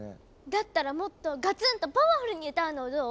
だったらもっとガツンとパワフルに歌うのはどう？